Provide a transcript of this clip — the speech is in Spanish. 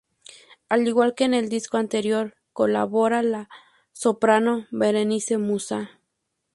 Al igual que en el disco anterior, colabora la soprano "Berenice Musa".